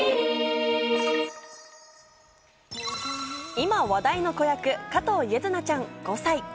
今、話題の子役・加藤柚凪ちゃん５歳。